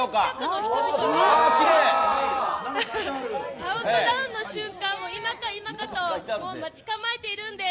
カウントダウンの瞬間を今か今かと待ち構えているんです！